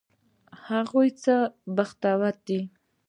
هغوی څه بختور دي!